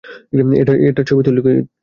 এটার ছবি তুললি তুই?